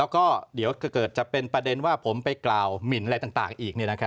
ก็จะเกิดเป็นประเด็นว่าผมไปกล่าวมินอะไรต่างอีก